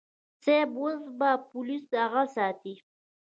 صيب اوس به پوليس اغه ساتي.